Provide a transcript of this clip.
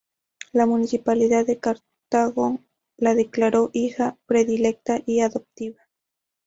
La Municipalidad de Cartago la declaró "Hija Predilecta y Adoptiva".